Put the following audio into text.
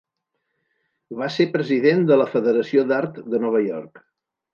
Va ser president de la Federació d'Art de Nova York.